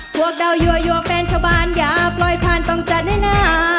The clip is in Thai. พวกเดาอยู่ว่าอยู่ว่าแฟนชาวบ้านอย่าปล่อยผ่านต้องจัดได้นะ